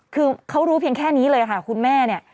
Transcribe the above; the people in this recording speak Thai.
คือเขารู้เพียงแค่นี้เลยค่ะคุณแม่เนี่ย